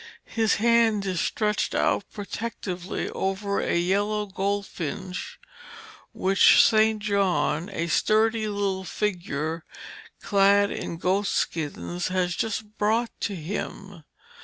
His hand is stretched out protectingly over a yellow goldfinch which St. John, a sturdy little figure clad in goatskins, has just brought to Him.